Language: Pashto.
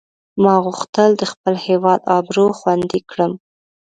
ما غوښتل د خپل هیواد آبرو خوندي کړم.